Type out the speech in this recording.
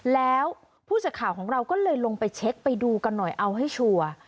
แล้วผู้สื่อข่าวของเราก็เลยลงไปเช็คไปดูกันหน่อยเอาให้ชัวร์